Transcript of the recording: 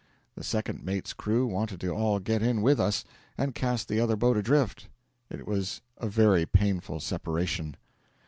The second mate's crew wanted to all get in with us, and cast the other boat adrift. It was a very painful separation.